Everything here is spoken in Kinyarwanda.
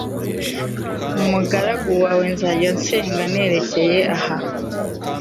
umugaragu wawe nzajya nsenga nerekeye aha